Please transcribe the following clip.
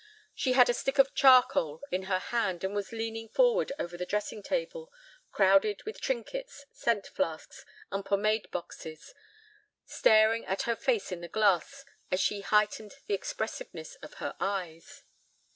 She had a stick of charcoal in her hand, and was leaning forward over the dressing table, crowded with its trinkets, scent flasks, and pomade boxes, staring at her face in the glass as she heightened the expressiveness of her eyes.